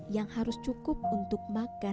yang harus cukup untuk makan lima tahun